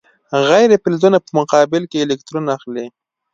غیر فلزونه په مقابل کې الکترون اخلي.